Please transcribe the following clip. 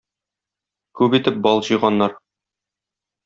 Күп итеп бал җыйганнар.